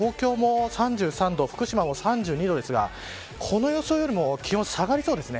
東京も３３度福島も３２度ですがこの予想よりも気温は下がりそうです。